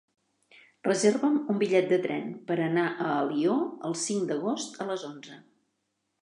Reserva'm un bitllet de tren per anar a Alió el cinc d'agost a les onze.